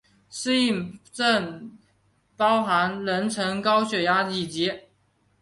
适应症包含妊娠高血压以及。